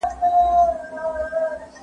زموږ په شریعت کي د هر چا حق سته.